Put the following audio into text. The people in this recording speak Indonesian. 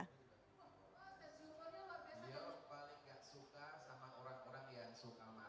beliau paling gak suka sama orang orang yang suka makan